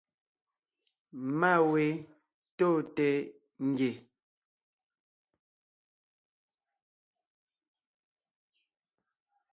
Má we tóonte ngie.